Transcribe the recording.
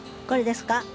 これですか？